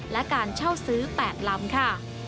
และการเช่าซื้อ๘ลำค่ะ